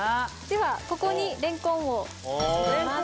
ではここにれんこんを入れます。